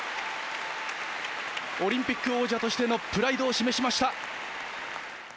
オリンピック王者としてのプライドを示しました。